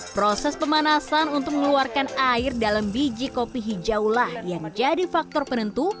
proses pemanasan untuk mengeluarkan air dalam biji kopi hijaulah yang jadi faktor penentu